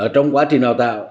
trong quá trình đào tạo